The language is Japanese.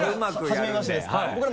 はじめましてですから。